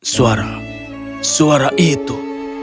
suara suara itu